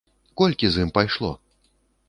Колькі з ім пайшло?